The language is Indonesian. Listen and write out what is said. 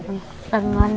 karena dia sudah tua